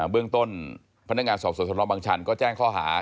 เบื้องต้นพนักงานสอบสวนสนบังชันก็แจ้งข้อหา